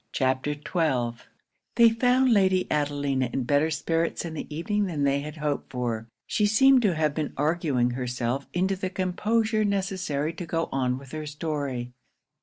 CHAPTER XII They found Lady Adelina in better spirits in the evening than they had hoped for She seemed to have been arguing herself into the composure necessary to go on with her story.